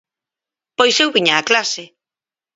Pois eu viña a clase.